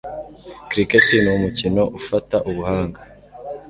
Cricket ni umukino ufata ubuhanga